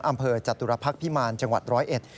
อำเภอจตุรพักษ์พิมารจังหวัดร้อยเอ็ด